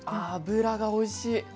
脂がおいしい。